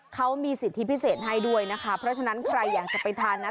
เขามีสิทธิพิเศษให้ด้วยนะคะเพราะฉะนั้นใครอยากจะไปทานนะ